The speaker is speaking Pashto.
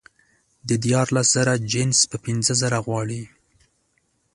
د دیارلس زره جنس په پینځه زره غواړي